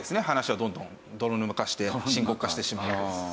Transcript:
話はどんどん泥沼化して深刻化してしまうんです。